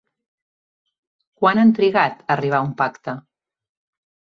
Quan han trigat a arribar a un pacte?